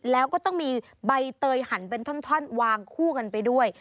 แล้วก็ต้องมีใบเตยหันเป็นท่อนวางคู่กันไปด้วย